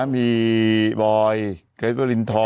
มีบอยเกรทวรินทร